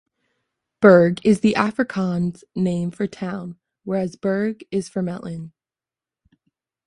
Burg is the Afrikaans name for Town whereas Berg is for mountain.